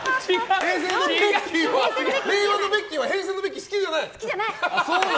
令和のベッキーは平成のベッキー好きじゃない？